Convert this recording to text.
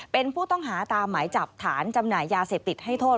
เป็นผู้ต้องหาตามหมายจับฐานจำหน่ายยาเสพติดให้โทษ